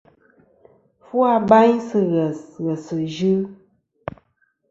Fu abayn sɨ̂ ghès ghèsɨ̀ yɨ.